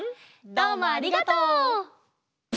どうもありがとう！